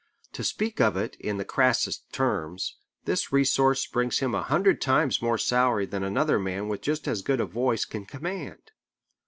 To speak of it in the crassest terms, this resource brings him a hundred times more salary than another man with just as good a voice can command.